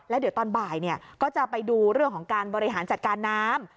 แล้วเดี๋ยวตอนบ่ายก็จะไปดูเรื่องของการบริหารจัดการน้ำ